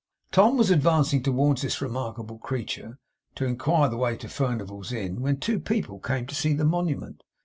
Tom was advancing towards this remarkable creature, to inquire the way to Furnival's Inn, when two people came to see the Monument.